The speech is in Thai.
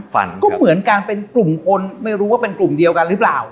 ฟันก็เหมือนกันเป็นกลุ่มคนไม่รู้ว่าเป็นกลุ่มเดียวกันหรือเปล่า